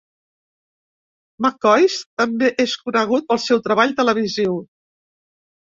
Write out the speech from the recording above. McCoist també és conegut pel seu treball televisiu.